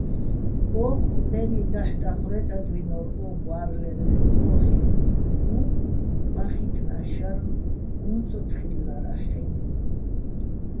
ო́ჴუჸ დე́ნი დაჰ̦ დახვრე́ტადვინორ ო ყვა́რლერეჼ კოხივ, უ̂ჼ ვახითნა შარნ, უ̂ჼ ცო თხილლარა́ჰ̦-აჲნო̆.